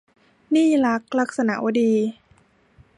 หนี้รัก - ลักษณวดี